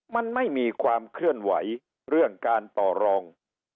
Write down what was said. มันไม่มีความเคลื่อนไหวเรื่องการต่อรอง